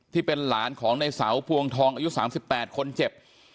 ที่เป็นหลานของในเสาพวงทองอายุ๓๘คนเจ็บ